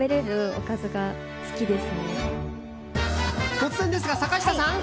突然ですが、坂下さん！